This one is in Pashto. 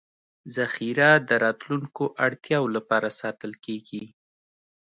ذخیره د راتلونکو اړتیاوو لپاره ساتل کېږي.